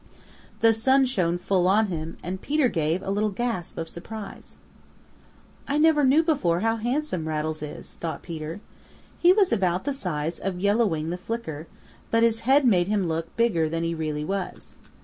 The sun shone full on him, and Peter gave a little gasp of surprise. "I never knew before how handsome Rattles is," thought Peter. He was about the size of Yellow Wing the Flicker, but his head made him look bigger than he really was.